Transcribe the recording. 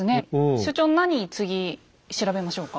所長何次調べましょうか？